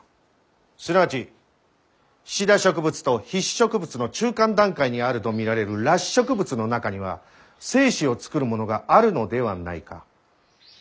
すなわちシダ植物と被子植物の中間段階にあると見られる裸子植物の中には精子を作るものがあるのではないか。